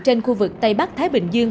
trên khu vực tây bắc thái bình dương